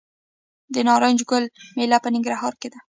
د نارنج ګل میله په ننګرهار کې ده.